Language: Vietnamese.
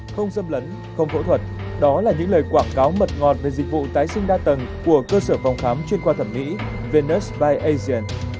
không xâm lấn không phẫu thuật đó là những lời quảng cáo mật ngọt về dịch vụ tái sinh đa tầng của cơ sở phòng khám chuyên khoa thẩm mỹ vnnus spyte asian